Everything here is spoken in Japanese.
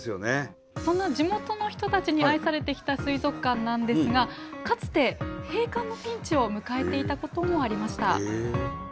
そんな地元の人たちに愛されてきた水族館なんですがかつて閉館のピンチを迎えていたこともありました。